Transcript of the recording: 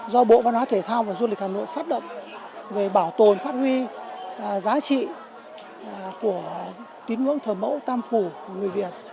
do bộ văn hóa thể thao và du lịch hà nội phát động về bảo tồn phát huy giá trị của tín ngưỡng thờ mẫu tam phủ của người việt